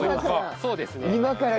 そうですね。